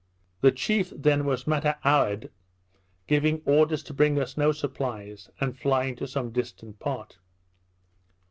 The chief then was mataoued, giving orders to bring us no supplies, and flying to some distant part.